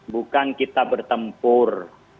bukan kita bertempur